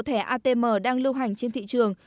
thẻ atm đang lưu hành trên thị trường